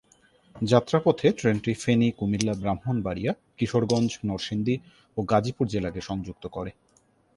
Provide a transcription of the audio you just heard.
যাত্রাপথে ট্রেনটি ফেনী, কুমিল্লা, ব্রাহ্মণবাড়িয়া, কিশোরগঞ্জ, নরসিংদী ও গাজীপুর জেলাকে সংযুক্ত করে।